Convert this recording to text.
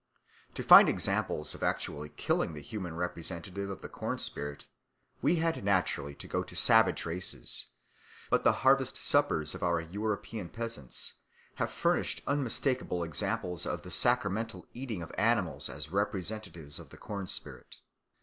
To find examples of actually killing the human representative of the corn spirit we had naturally to go to savage races; but the harvest suppers of our European peasants have furnished unmistakable examples of the sacramental eating of animals as representatives of the corn spirit.